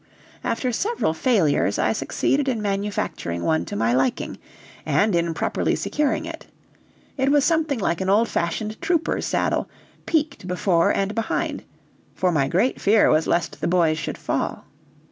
After several failures, I succeeded in manufacturing one to my liking, and in properly securing it; it was something like an old fashioned trooper's saddle, peaked before and behind for my great fear was lest the boys should fall.